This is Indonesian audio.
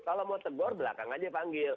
kalau mau tegur belakang aja panggil